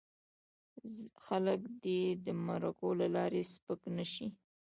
خلک دې د مرکو له لارې سپک نه شي.